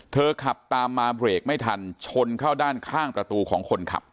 ขับตามมาเบรกไม่ทันชนเข้าด้านข้างประตูของคนขับ